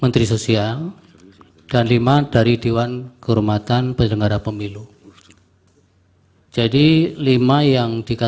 terima kasih yang mulia